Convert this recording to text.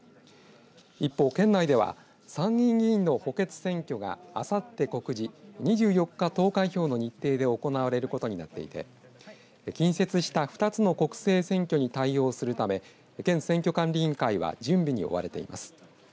一方、県内では参議院議員の補欠選挙があさって告示２４日投開票の日程で行われることになっていて近接した、２つの国政選挙に対応するため県選挙管理委員会は準備に追われています。